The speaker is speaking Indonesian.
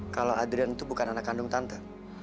kalau adrian itu bukan anak kandung tante